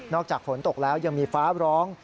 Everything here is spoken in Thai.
จากฝนตกแล้วยังมีฟ้าร้อง